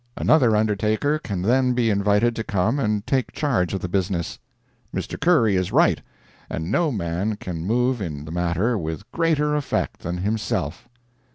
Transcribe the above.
Another undertaker can then be invited to come and take charge of the business. Mr. Curry is right—and no man can move in the matter with greater effect than himself.